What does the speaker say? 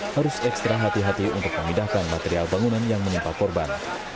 harus ekstra hati hati untuk memindahkan material bangunan yang menimpa korban